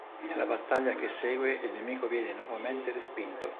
Nella battaglia che segue il nemico viene nuovamente respinto.